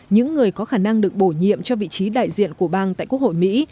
những người có khả năng được bổ nhiệm cho vị trí đại diện của bang tại quốc hội mỹ